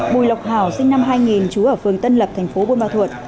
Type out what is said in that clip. bùi lộc hảo sinh năm hai nghìn chú ở phường tân lập thành phố bôn bà thuật